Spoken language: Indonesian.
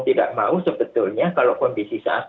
tidak mau sebetulnya kalau kondisi saat